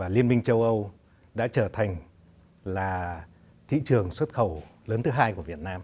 liên minh châu âu đã trở thành là thị trường xuất khẩu lớn thứ hai của việt nam